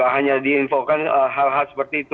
hanya diinfokan hal hal seperti itu